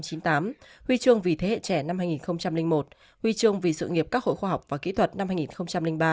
huy chương vì thế hệ trẻ năm hai nghìn một huy chương vì sự nghiệp các hội khoa học và kỹ thuật năm hai nghìn ba